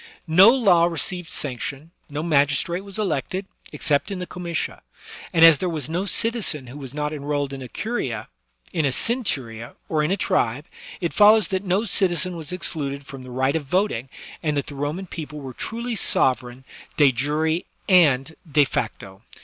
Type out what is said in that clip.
No law received sanction, no magistrate was elected, ex cept in the comitia \ and as there was no citizen who was not enrolled in a curia^ in a centuria^ or in a tribe, it follows that no citizen was excluded from the right of voting, and that the Roman people were truly sovereign de jure and de facto.